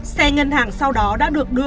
xe ngân hàng sau đó đã được đưa